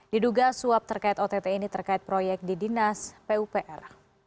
diduga suap terkait ott ini terkait proyek di dinas pupr